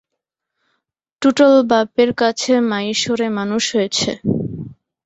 টুটল বাপের কাছে মাইসোরে মানুষ হয়েছে।